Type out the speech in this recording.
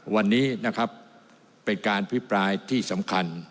วันนี้นะครับเป็นการพิปรายที่สำคัญ